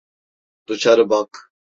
Dışarı bak.